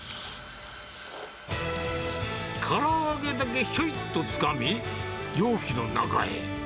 から揚げだけひょいとつかみ、容器の中へ。